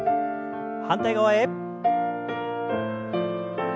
反対側へ。